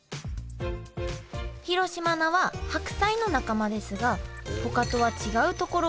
広島菜は白菜の仲間ですがほかとは違うところがあります。